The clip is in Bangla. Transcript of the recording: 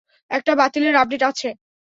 একটা বাতিলের আপডেট আছে।